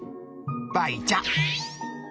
ばいちゃ！